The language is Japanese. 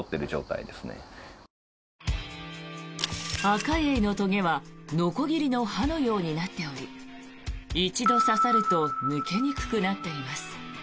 アカエイのとげはのこぎりの刃のようになっており一度刺さると抜けにくくなっています。